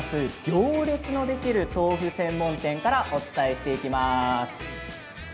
行列のできる豆腐専門店からお伝えしていきます。